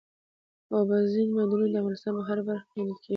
اوبزین معدنونه د افغانستان په هره برخه کې موندل کېږي.